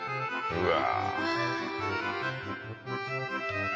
うわ。